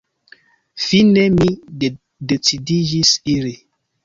Fine mi decidiĝis iri.